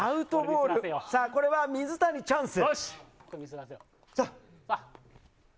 これは水谷、チャンス。